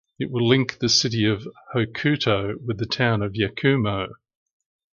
It will link the city of Hokuto with the town of Yakumo.